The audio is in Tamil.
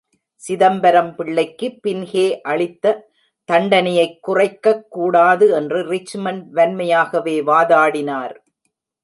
சிதம்பரம் பிள்ளைக்கு பின்ஹே அளித்த தண்டனையைக் குறைக்கக் கூடாது என்று ரிச்மாண்ட் வன்மையாகவே வாதாடினார்.